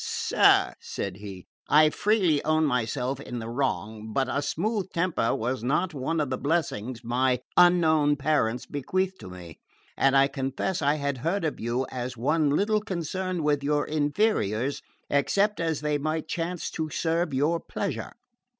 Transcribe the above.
"Sir," said he, "I freely own myself in the wrong; but a smooth temper was not one of the blessings my unknown parents bequeathed to me; and I confess I had heard of you as one little concerned with your inferiors except as they might chance to serve your pleasure."